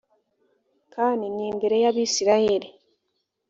kan ni imbere y abisirayeli